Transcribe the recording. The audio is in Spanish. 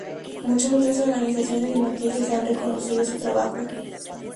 Muchas otras organizaciones de noticias han reconocido su trabajo.